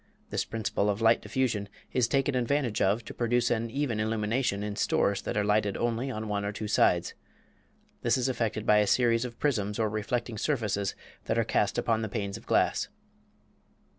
This principle of light diffusion is taken advantage of to produce an even illumination in stores that are lighted only on one or two sides. This is effected by a series of prisms or reflecting surfaces that are cast upon the panes of glass.